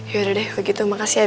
yaudah deh begitu makasih ya bi